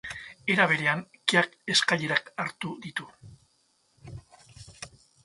Era berean, keak eskailerak hartu ditu.